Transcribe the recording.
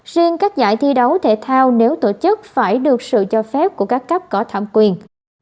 riêng các giải thi đấu thể thao nếu tổ chức phải được sự cho phép của các cấp có thẩm quyền